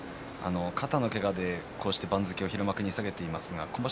肩のけがで番付を平幕に下げていますがこの場所